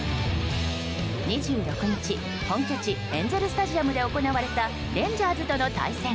２６日、本拠地エンゼル・スタジアムで行われたレンジャーズとの対戦。